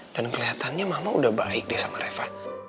dan kelihatannya mama udah baik deh sama reva